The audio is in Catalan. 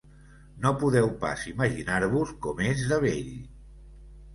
No podeu pas imaginar-vos com és de bell.